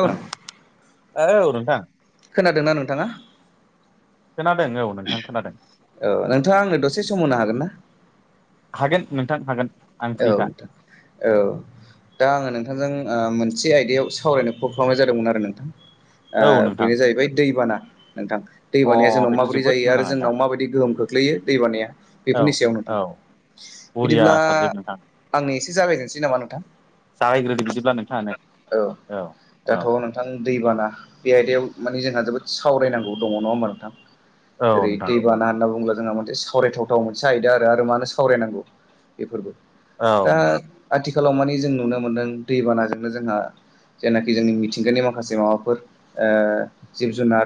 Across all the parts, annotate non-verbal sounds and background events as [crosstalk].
औ आं औ नोंथां। खोनादोंना नोंथाङा? खोनादों औ नोंथां खोनादों। औ नोंथाङा आंनो दसे सम होनो हागोन ना हागोन नोंथां हागोन। आं औ फ्रिखा नोंथां औ। दा आङो नोंथांजों ओ मोनसे आयदायाव सावरायनो कल खालामनाय जादोंमोन आरो नोंथां। औ नोंथां बेनो जाहैबाय दैबाना नोंथां। दै अ बानाया जोंनाव बेथ' माबोरै जोबोद जायो मोजां आरो आयदा जोंनाव माबायदि गोहोम खोख्लैयो दै बानाया, बेफोरनि सायाव नोंथां। करिया साबजेक्ट नोंथां आंनि एसे जाबायजेनसै नामा नोंथां? जागायग्रोदो बिदिब्ला नोंथाङानो। औ औ। औ दाथ' नोंथां दैबाना बे आयदायाव मानि जोंहा जोबोद सावरायनांगौ दङ, नङा होमबा नोंथां? औ जेरै नोंथां दैबाना होनना बुङोब्ला जोंहा मोनसे सावरायथावथाव मोनसे आयदा आरो मानो सावरायनांगौ बेफोरबो। औ दा आथिखालाव मानि जों नुनो मोन्दों दैबानाजोंनो जोंहा जायनाखि जोंनि मिथिंगानि माखासे माबाफोर, ओ जिब जुनार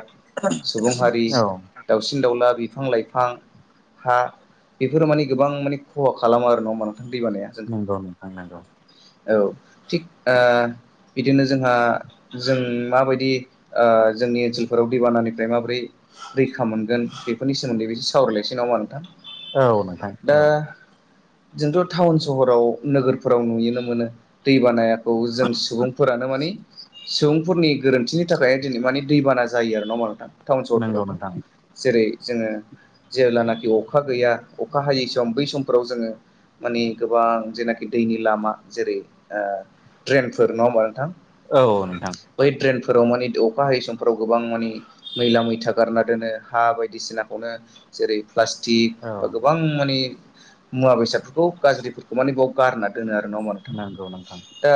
सुबुं हारि औ दाउसिन-दाउला, बिफां-लाइफां हा बेफोरो माने गोबां माने खहा खालामो आरो नंङा होमबा नोंथां? दै बानाया। जों नंगौ नोंथां नंगौ। औ थिग ओ बिदिनो जोंहा जों माबायदि ओ जोंनि ओनसोलफोराव दैबानानिफ्राय माबोरै रैखा मोनगोन बेफोरनि सोमोन्दै एसे सावरायलायसै नामा नोंथां? औ नोंथां दा औ जोंथ' टाउन सहराव नोगोरफोराव नुयोनो मोनो। दै बानायाखौ जों सुबुंफोरानो माने सुबुंफोरनि गोरोन्थिनि थाखाय दिनै माने दैबाना जायो आरो नङा ओमबा नोंथां टाउन नंगौ नोंथां सहरफोरावथ'। जेरै जोङो जेब्लानाखि अखा गैया अखा हायै सम बै समफोराव जोङो माने गोबां जेनाकि दैनि लामा जेरै ओ ट्रेनफोर नङा ओमबा नोंथां? औ नोंथां। बै ड्रेनफोराव माने अखा हायै समफोराव गोबां माने मैला मैथा गारना दोनो हा बायदिसिनाखौनो जेरै प्लास्टिक औ बा गोबां माने मुवा बेसादफोरखौ गाज्रिफोरखौ माने बाव गारना दोनो आरो नङा ओमबा नोंथां नंगौ नोंथां दा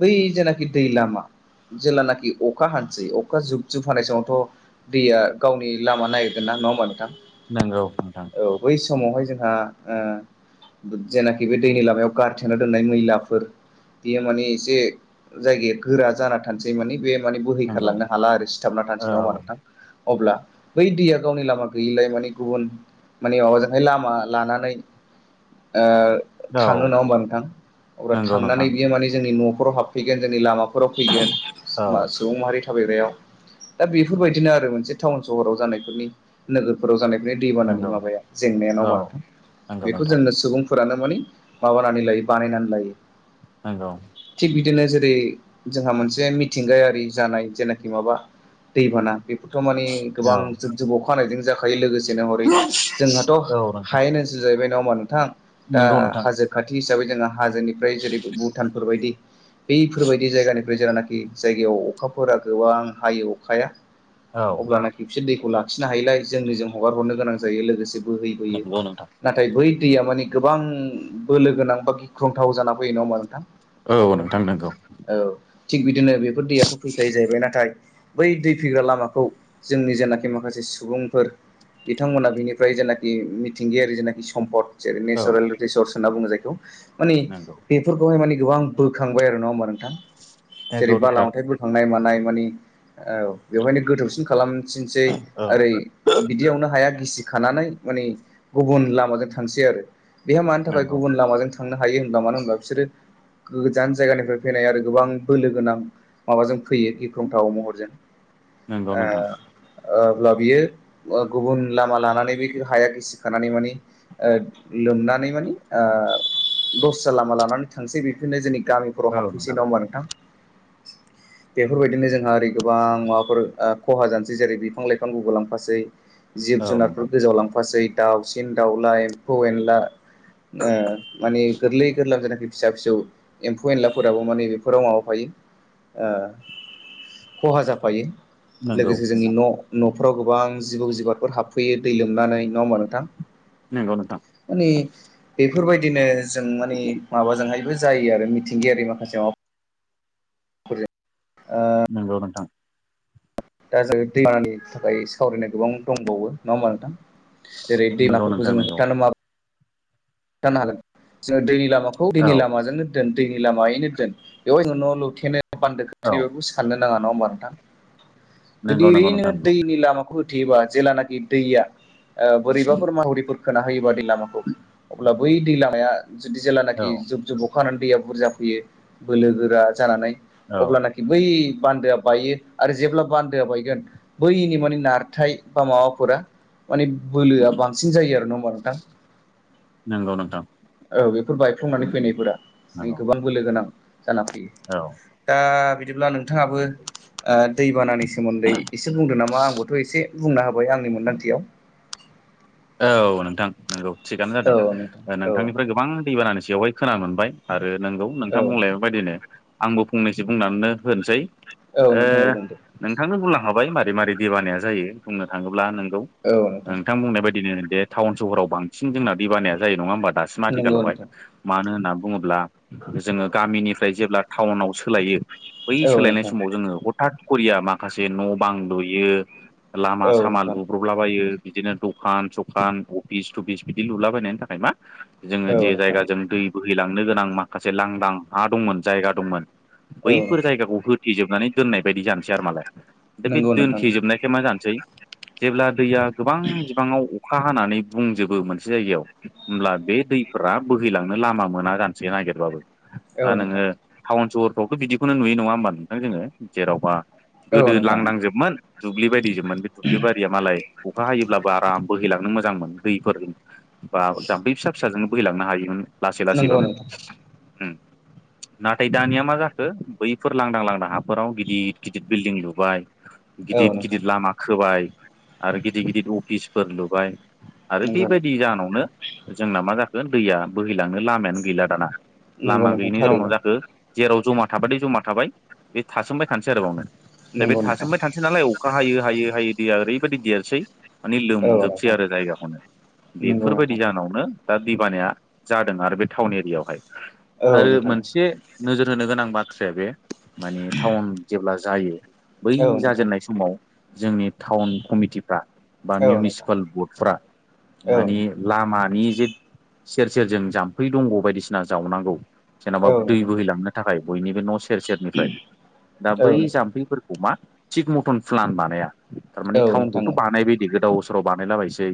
बै जेनाकि दै लामा जेेलानाकि अखा हानोसै अखा जुब जुब हानाय समावथ' दैया गावनि लामा नागिरगोनना नङा ओमबा नोंथां? नंगौ नोंथां। औ बै समावहाय जोंहा ओ गुद जेनाखि बे दैनि लामायाव गारथेना दोननाय मैलाफोर बेयो माने एसे जायगाया गोरा जाना थानोसै माने बे माने नंगौ बोहैखारलांनो हाला आरो सिथाबना औ थानोसै नङा ओमबा नोंथां? अब्ला बै दैया गावनि लामा गैयैलाय माने गुबुन माने अजोंहाय लामा लानानै ओ औ थाङो नङा होमबा नोंथां अब्ला नंगौ थांनानै नोंथां बियो माने जोंनि न'खराव हाब फैगोन जोंनि लामाफोराव फैगोन औ मास सुबुं माहारि थाबायग्रायाव दा बेफोरबायदिनो आरो मोनसे टाउन सहराव जानायफोरनि नोगोरफोराव जानायनि दैबानानि नंगौ माबाया जेंनाया नङा औ ओमबा नोंथां नंगौ बेखौ नोंथां जोंनो सुबुं फोरानो माने माबानानै लायो बानायनानै लायो। नंगौ। थिग बिदिनो जेरै जोंहा मोनसे मिथिंगायारि जानाय जेनाखि माबा दैबाना बेफोरथ' माने गोबां औ जुब जुब अखा हानाय जों जाखायो लोगोस सेनोहरै जोंहाथ' औ नोंथां हायेन ओनसोल जाहैबाय नङा ओमबा नोंथां दा नंगौ नोंथां हाजो खाथि हिसाबै जोङो हाजोनिफ्राय जेरै भुटानफोर बायदि बैफोरबायदि जायगानिफ्राय जेरानाकि जायगायाव अखाफोरा गोबां हायो अखाया औ अब्लानाकि बिसोर दैखौ लाखिनो हायोलाय जोंनो जों हगार हरनो गोनां जायो लोगोसे बोहैबोयो नंगौ नोंथां नाथाय बै दैया माने गोबां बोलो गोनां बा गिख्रंथाव जाना फैयो नङा ओमबा नोंथां? औ नोंथां नंगौ। औ थिग बिदिनो बेफोर दैयाथ' फैखायो जाहैबाय नाथाय बै दै फैग्रा लामाखौ जोंनि जेनाखि माखासे सुबुंफोर बिथांमोनहा बिनिफ्राय जेनाखि मिथिंगायारि जेनाखि सम्पद जेरै [unintelligible] औ होनना बुङो जायखौ माने नंगौ बे फोरखौहाय माने गोबां बोखांबाय आरो नङा ओमबा नोंथां जेरै नंगौ बाला नोंथां अन्थाइफोर थांनाय मानाय माने ओ बेवहायनो गोथौसिन खालामथिनसै औ ओरै बिदियावनो हाया गिसि खानानै माने गुबुन लामाजों थांसै आरो बेहा मानि थाखाय नंगौ गुबुन लामाजों थांनो हायो होनबा मानो होनबा बिसोरो गोजान जायगानिफ्राय फैनाय आरो गोबां बोलो गोनां माबाजों फैयो। गिख्रंथाव महरजों नंगौ ओ नोंथां ओब्ला बियो ओ गुबुन लामा लानानै बे हाया गिसि खानानै माने ओद लोमनानै माने ओ दस्रा लामा लानानै थांसै बेफोरनो जोंनि गामि हराव हाबफैसै दाव होमबा नोंथां बेफोरबायदिनो जोंहा ओरै गोबां माबाफोर ओ खहा जानोसै जेरै बिफां लाइफां गुगुलांफासै। जिब औ जुनारफोर नोंथां गोजावलांफासै दाउसिन दाउला एम्फौ एनला माने गोरलै गोरलां जेनाखि फिसा फिसौ एम्फौ एनलाफोराबो माने बेफोराव माबाफायो ओ खहा जाफायो। नंगौ लोगोसे जोंनि नोंथां न' न'फ्राव गोबां जिबौ जिबाफोर हाबफैयो दै लोमनानै नङा होमबा नोंथां। नोंगौ नोंथां मानि बेफोरबायदिनो जों मानि माबाजोंहायबो जायो आरो मिथिंगायारि माखासे माबा नंगौ नोंथां दा जोङो दैमानि थाखाय सावरायनो गोबां दंबावो नङा होमबा नोंथां। जेरै नंगौ दैमाफोरखौ नोंथां जों नंगौ होबथानो माबो रै होबथानो हागोन जोङो दैनि लामाखौ औ दैनि लामाजोंनो दोन दैनि लामायैनो दोन बेयाव जों न' लुथेनो बान्दो औ खोथेनो साननो नाङा नङा होमबा नोंथां नंगौ जुदि नंगौ ओरैनो नोंथां नंगौ दैनि लामाखौ हो थेयोबा जेलानाखि दैया ओ बोरैबाफोर मावरिफोर खोना होयोबा दै लामाखौ अब्ला बै दै लामाया जुदि औ जेेलानाखि जुब जुब अ अखा हानानै दैया बुरजा फैयो बोलो गोरा जानानै औ अब्लानाखि बै बान्दोआ बायो आरो जेब्ला बान्दोआ बायगोन बैनि माने नारथाय बा माबाफोरा माने बोलोआ बांसिन जायो आरो ना नङा होमबा नोंथां नंगौ नोंथां औ बेफोर बायफ्लंनानै फैनायफोरा नंगौ गोबां बोलो गोनां जाना फैयो। औ दा बिदिब्ला नोंथाङाबो ओ दैबानानि सोमोन्दै एसे बुंदों नामा आंबोथ' एसे बुंनो हाबाय आंनि मोनदांथियाव। औ नोंथां नंगौ थिगानो जादों औ नोंथां दा औ नोंथांनिफ्राय गोबां दैबानानि सायावहाय खोनानो मोनबाय। आरो नंगौ नोंथां बुंलाय बायदिनो आंबो फंनैसो बुंनानैनो होननोसै। औ नोंथां औ बुंदो ओ नोंथांनो बुंलां खाबाय मारै मारै दैबानाया जायो बुंनो थाङोब्ला नोंगौ नोंथां बुंनाय बायदिनो दे टाउन सहराव बांसिन जोंना दैबानाया जायो नङा होमबा नों दासिम नंगौ आथिखालावहाय नोंथां मानो होनना बुङोब्ला जोङो गामिनिफ्राय जेब्ला टाउनाव सोलायो बै औ सोलायनाय नोंथां समाव जोङो हथात करिया माखासे न' बां लुयो। लामा औ सामा नोंथां लुब्रलाबायो बिदिनो दखान सखान अफिस थुफिस बिदि लुलाबायनायनि थाखाय मा जोङो औ जे जायग जों नोंथां दै बोखांनाय हैलांनो गोनां माखासे लांदां हा दंमोन जायगा दंमोन औ बैफोर नोंथां जायगाखौ हो थेजोबनानै दोननाय बायदि जानोसै आरो मालाय। दा बे नंगौ नोंथां दोनथेजोबनायखाय मा जानोसै जेब्ला दैया गोबां बिबाङाव अखा हानानै बुंजोबो मोनसे जायगायाव होमब्ला बे दैफोरा बोहैलांनो लामा मोना जानो जे नागिरबाबो। औ दा नोंथां नोङो टाउन सहरफ्रावथ' बिदिखौनो नुयो नङा होमबा नोंथां जोङो जेराव बा औ गोदो नोंथां लांनांजोबमोन दुब्लि बायदिजोबमोन बे दुब्लि बारिया मालाय अखा हायोब्ला आराम बोहैलांनो मोजांमोन दैफोरजों बा जाम्फै फिसा फिसाजों बोहैलांनो हायोमोन। लासै नंगौ लासैबाबो नोंथां ओम नाथाय दानिया मा जाखो बैफोर लांदां लांदां हाफोराव गिदद गिदिर बिल्डिं लुबाय औ गिदिद नोंथां गिदिद लामा खोबाय आरो गिदिद गिदिद अफिसफोर लुबाय। आरो नंगौ नोंथां बेबायदि जानावनो जोंना मा जाखो दैया बोहैलांनो लामायानो गैला दाना। नंगौ लामा नोंथां गैयिनि जाउनाव थारैनो जाखो जेराव जमा थाबादै जमा थाबाय बे थासोमबाय थानोसै आरोबावनो दा बे नंगौ नोंथां थासोमबाय थानाय सै नालाय अखा हायो हायो हायो दैया ओरैबायदि देरनोसै माने औ लोमजोबसै नोंथां आरो जायगाखौनो नंगौ बेफोरबायदि नोंथां जाहोनावनो दा दैबानाया जादों आरो बे टाउन एरियावहाय औ आरो नोंथां मोनसे नोजोर होनो गोनां बाथ्राया बे मानि टाउन जेब्ला जायो। बै औ नोंथां जाजेननाय समाव जोंनि टाउन कमिटि बा औ नोंथां मिउनिसिपाल बर्डफ्रा औ माने नोंथां लामानि जे सेर सेरजों जाम्फै दंग बायदिसिना जावनांगौ। जेन'बा औ दै नोंथां बोहैलांनो थाखाय बयनिबो न' सेर सेरनिफ्राय दा बै औ नोंथां जाम्फैफोरखौ मा? थिग मथन प्लान बानाया थारमाने औ नोंथां टाउनखौथ' बानायबायदि गोदाव सोराव बानायलाबायसै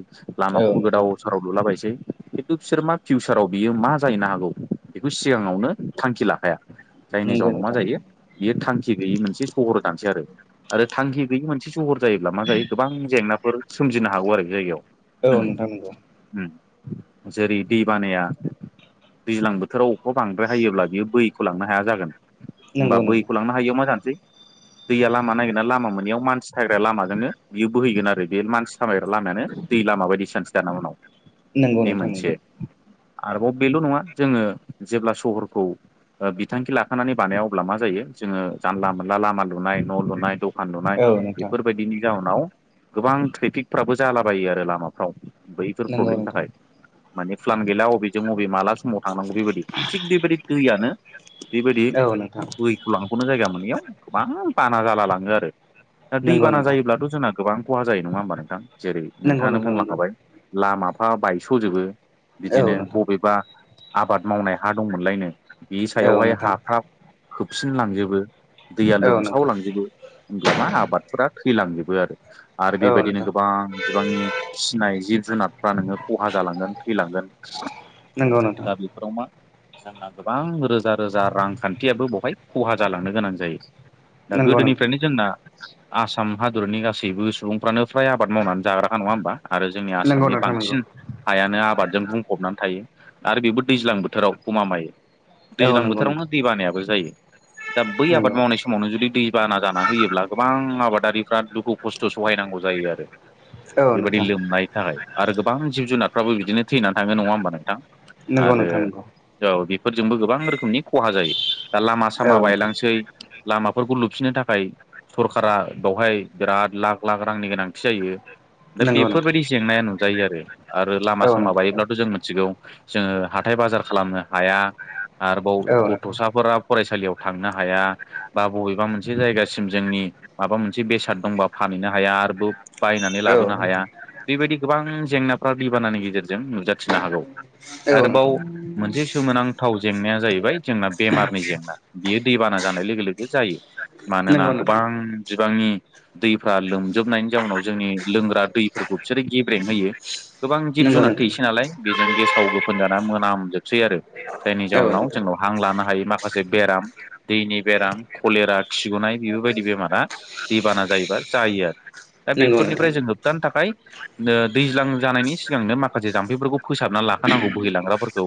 औ लामाखौबो नोंथां गोदाव सोराव लुलाबायसै किन्थु बिसोर मा फिउसाराव बियो मा जाहैनो हागौ बेखौ सिगाङावनो थांखि लाखाया। जायनि नंगौ जाउनाव मा नोंथां जायो बियो थांखि गैयि मोनसे सहर जानोसै आरो आरो थांखि गैयै मोनसे सहर जायोब्ला मा जायो गोबां जेंनाफोर सोमजिनो हागौ आरो जायगायाव। औ नोंथां नंगौ। ओम जेरै दै बानाया दैज्लां बोथोराव [unintelligible] बांद्राय हायोब्ला बियो बोहैख'लांनो हाया जागोन होमबा नंगौ नंगौ नोंथां बोहैख'लांनो हायियाव मा जानोसै दैया लामा नागिनायाव लामा मोनैयाव मानसि फायग्रा लामाजोंनो बियो बोहैगोन आरो। बे मानसि थाबायग्रा लामायानो दै लामा बायदि जानसै दाना उनाव नंगौ बे नोंथां मोनसे नंगौ आरोबाव बेल' नङा जोङो जेब्ला सहरफ्रोव ओ बिथांखि लाखानानै बानायाव अब्ला मा जायो जोङो जानला मोनला लामा लुनाय न' लुनाय द' आनदुनाय औ नोंथां बेफोरबायदिनि जाउनाव गोबां ट्रेफिकफ्राबो जालाबायो आरो लामाफ्राव बैफोर नंगौ प्रब्लेमनि नोंथां थाखाय। मानि फ्लान गैला बबेजों बबे माला समाव थांनांगौ बेबायदि थिग बेबायदि दैयानो बेबायदि औ नोंथां बै स'लांख'नो जायगा मोनैयाव गोबां बाना जाला लाङो आरो दा दै नंगौ बाना नोंथां जायोब्लाथ' जोंना गोबां खहा जायो नङा होमबा नोंथां जेरै नंगौ नोंथाङानो नोंथां नंगौ बुंलांखाबाय लामाफा बायस'जोबो। बिदिनो औ नोंथां बबेबा आबाद मावनाय हा दंमोनलायनो बिनि औ सायावहाय नोंथां हाफ्रा खोबसिनलांजोबो दैया औ नोंथां लोमसावलांजोबो। होनब्ला मा आबादफोरा थैलांजोबो आरो। आरो औ बेबायदिनो नोंथां गोबां बिबांनि फिसिनाय जिब जुनारफ्रा नोङो खहा जालांगोन थैलांगोन। [inaudible] नंगौ नोंथां। दा बिफोराव मा? जोंना गोबां रोजा - रोजा रांखान्थियाबो बहाय खहा जालांनो गोनां जायो। दा नंगौ नोंथां गोदोनिफ्रायनो जोंना आसाम हादरनि गासैबो सु सुबुंफ्रानो फ्राय आबाद मावनानै जाग्राखा नङा होमबा आरो जोंनि नंगौ आसामनि नोंथां नंगौ बांसिन हायानो आबादजों बुंफबनानै थायो आरो बेबो दैज्लां बोथोराव गमामायै। औ दैज्लां नंगौ बोथोरावनो नोंथां दै बानायाबो जायो दा बै नंगौ आबाद मावनाय स समावनो जुदि दै बाना जाना होयोब्ला गोबां आबादारिफ्रा दुखु खस्थ' सहायनांगौ जायो आरो। औ बेबायदि नोंथां लोमनाय थाखाय आरो गोबां जिब जुनारफ्राबो बिदिनो थैनानै थाङो नङा होमबा नोंथां? नंगौ आरो नोंथां नंगौ औ बेफोरजोंबो गोबां रोखोमनि खहा जायो। दा लामा औ सामा नोंथां बायलांसै लामाफोरखौ लुफिननो थाखाय सरकारा बेवहाय बिराद लाख - लाख रांनि गोनांथि जायो दा नंगौ नोंथां बेफोरबायदि जेंनाया नुजायो आरो। आरो लामा औ नोंथां औ सामा नोंथां बायोब्लाथ' जों मिथिगौ जोंङो हाथाय बाजार खालामनो हाया। आरोबाव औ नोंथां गथ'साफोरा फरायसालियाव थांनो हाया बा बबेबा मोनसे जायगासिम जोंनि माबा मोनसे बेसाद दंबा फानहैनो हाया आरो बो बायनानै लाबोनो हाया। बेबायदि गोबां जेंनाफ्रा दैबानानि गेजेरजों नुजाथिनो हागौ। औ आरोबाव नोंथां मोनसे सोमोनांथाव जेंनाया जाहैबाय जोंना बेमारनि जेंना। बियो दैबाना जानाय लोगो - लोगो जायो। मानोना नंगौ नोंथां गोबां बिबांनि दैफ्रा लोमजोबनायनि जाउनाव जोंनि लोंग्रा दैफोरखौ बिसोरो गेब्रें होयो गोबां जिब नंगौ जुनार नोंथां थैसै नालाय बेजों गेसाव गोफोन जाना मोनामजोबसै आरो जायनि औ जउनाव नोंथां जोंनाव हां लानो हायो माखासे बेराम दैनि बेराम कलेरा खिगुनाय बेफोरबायदि बेमारा दैबाना जायोबा जायो आरो दा नंगौ नोंथां बेफोरनिफ्राय जों होबथानो थाखाय ओ दैज्लां जानायनि सिगांनो माखासे जाम्फैफोरखौ फोसाबना लाखानांगौ बोहैलांग्राफोरखौ।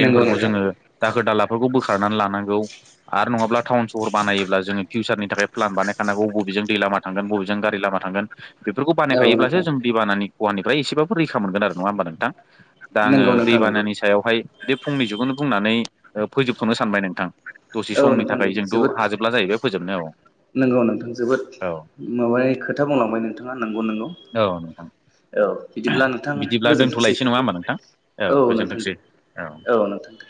नंगौ नोंथां जोङो दाखोर दालाफोरखौ बोखारनानै लानांगौ। आरो नङाब्ला टाउन सहर बानायोब्ला जोङो फिउचारनि थाखाय प्लान बानायखानांगौ बबेजों दैलामा थांगोन बबेजों गारि लामा थांगोन बेफोरखौ औ बानायखायोब्लासो नोंथां जों दै बानानि खानिफ्राय एसेबो रैखा मोनोन आरो नङा हबा नोंथां दा आङो नंगौ नोंथां नंगौ दैबानानि सायावहाय बे फुंनि जिगोननो बुंनानै फोजोबथनो सानबाय नोंथां दसे औ समनि नोंथां दे थाखाय जोंथ हाजोबला जाहैबाय फोजोबनो औ। नोंगौ नोंथां जोबोद माबानि खोथा बुंलांबाय नोंथाङा नंगौ नंगौ औ नोंथां औ बिदिब्ला नोंथां बिदिब्ला गोजोनथोंसै। दोनथ'लायसै नङा होमबा नोंथां औ नोंथां दे गोजोनथोंसै औ नोंथां दे